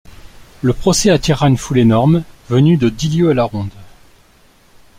Le procès attira une foule énorme, venue de dix lieues à la ronde.